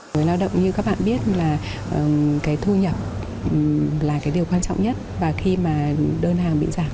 người lao động như các bạn biết là cái thu nhập là cái điều quan trọng nhất và khi mà đơn hàng bị giảm